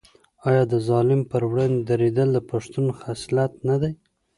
آیا د ظالم پر وړاندې دریدل د پښتون خصلت نه دی؟